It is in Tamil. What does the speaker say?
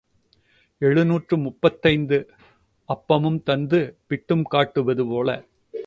எழுநூற்று முப்பத்தைந்து அப்பமும் தந்து பிட்டும் காட்டுவது போல.